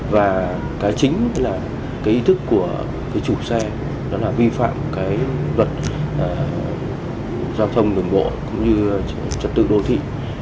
và cái chính là cái ý thức của cái chủ xe đó là vi phạm cái luật giao thông đường bộ cũng như trật tự đô thị